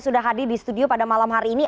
sudah hadir di studio pada malam hari ini